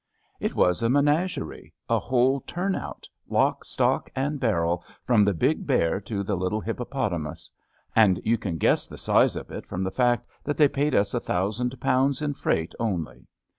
It was a menagerie — a whole turnout, lock, stock, and barrel, from the big bear to the little hippopotamus; and you can guess the size of it from the fact that they paid us a thousand pounds in freight only.